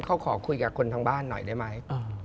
เขาขอคุยกับคนทางบ้านหน่อยได้ไหม